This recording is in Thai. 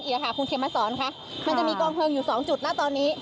คุณเขมมาสอนค่ะมันจะมีกองเพลิงอยู่สองจุดนะตอนนี้